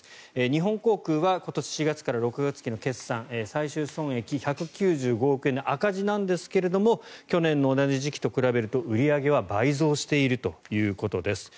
日本航空は今年４月から６月期の決算最終損益、１９５億円の赤字なんですが去年の同じ時期と比べると売り上げは倍増しているということです。